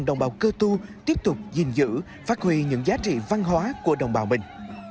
đồng bào cơ tu tiếp tục gìn giữ phát huy những giá trị văn hóa của đồng bào mình